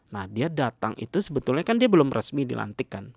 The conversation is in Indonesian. nah dia datang itu sebetulnya kan dia belum resmi dilantik kan